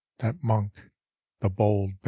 That monk the bold Baron.